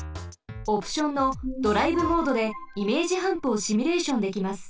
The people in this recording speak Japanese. オプションのドライブモードでイメージハンプをシミュレーションできます。